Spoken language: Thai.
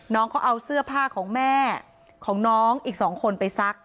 น้องเขาเอาเสื้อผ้าของแม่ของน้องอีก๒คนไปซัก